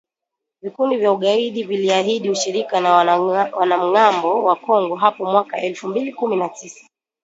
Vikundi vya ugaidi viliahidi ushirika na wanamgambo wa Kongo hapo mwaka elfu mbili kumi na tisa.